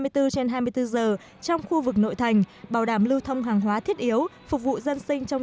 trên hai mươi bốn giờ trong khu vực nội thành bảo đảm lưu thông hàng hóa thiết yếu phục vụ dân sinh trong